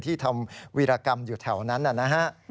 ที่ทำวีรกรรมอยู่แถวนั้นนะฮะ